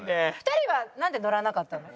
２人はなんで乗らなかったの？